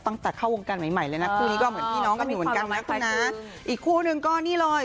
ตั้งแต่เข้าวงการใหม่ใหม่เลยนะคู่นี้ก็เหมือนพี่น้องกันอยู่เหมือนกันนะคุณนะอีกคู่หนึ่งก็นี่เลย